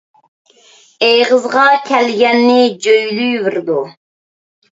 ئېغىزىغا كەلگەننى جۆيلۈۋېرىدۇ.